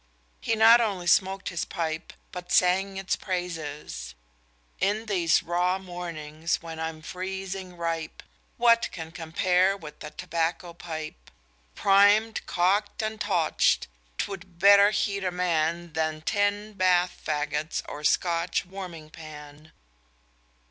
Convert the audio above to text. He not only smoked his pipe, but sang its praises: _In these raw mornings, when I'm freezing ripe, What can compare with a tobacco pipe? Primed, cocked and toucht, 'twould better heat a man Than ten Bath Faggots or Scotch warming pan.